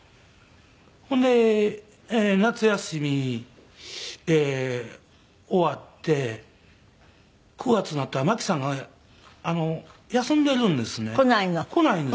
ほんで夏休み終わって９月になったらマキさんが休んでるんですね。来ないの？